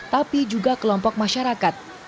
tapi juga kelompok masyarakat